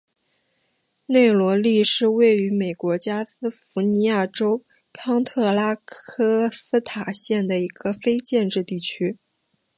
内罗利是位于美国加利福尼亚州康特拉科斯塔县的一个非建制地区。